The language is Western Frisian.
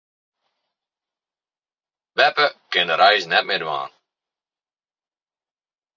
Beppe kin de reis net mear dwaan.